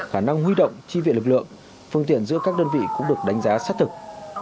khả năng huy động chi viện lực lượng phương tiện giữa các đơn vị cũng được đánh giá sát thực